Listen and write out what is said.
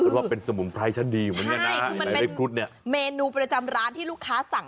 เพราะว่าเป็นสมุนไพรชั่นดีเหมือนกันนะใบเล็บครุฑเนี่ยใช่คือมันเป็นเมนูประจำร้านที่ลูกค้าสั่ง